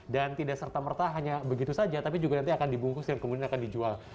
dan tidak serta merta hanya begitu saja tapi juga nanti akan dibungkus dan kemudian akan dijual